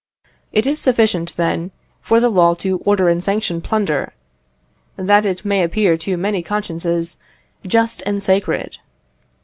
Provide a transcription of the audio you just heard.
It is sufficient, then, for the law to order and sanction plunder, that it may appear to many consciences just and sacred.